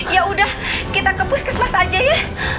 yaudah kita ke puskesmas aja ya